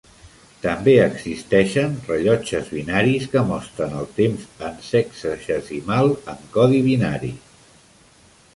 També existeixen rellotges binaris que mostren el temps en sexagesimal en codi binari.